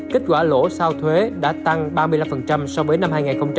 kết quả lỗ sau thuế đã tăng ba mươi năm so với năm hai nghìn hai mươi